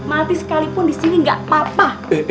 mati sekalipun di sini gak papa